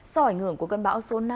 sau ảnh hưởng của cơn bão số năm